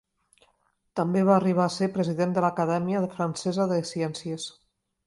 També va arribar a ser president de l'Acadèmia Francesa de Ciències.